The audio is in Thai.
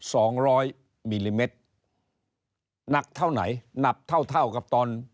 หนัก๒๐๐มิลลิเมตรหนักเท่าไหนหนักเท่ากับตอน